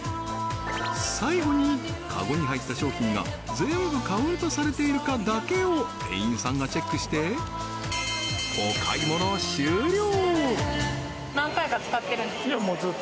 最後にカゴに入った商品が全部カウントされているかだけを店員さんがチェックしてお買い物終了！